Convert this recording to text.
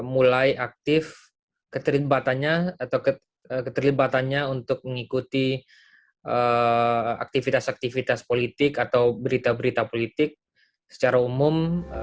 mulai aktif keterlibatannya atau keterlibatannya untuk mengikuti aktivitas aktivitas politik atau berita berita politik secara umum